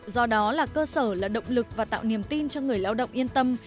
do đó là cơ sở là động lực và tạo niềm tin cho người lao động yên tâm